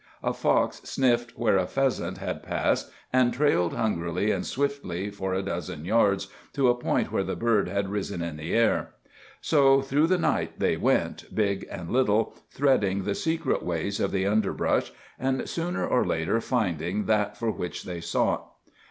A fox sniffed where a pheasant had passed, and trailed hungrily and swiftly for a dozen yards, to a point where the bird had risen in the air. So through the night they went, big and little, threading the secret ways of the underbrush, and sooner or later finding that for which they sought.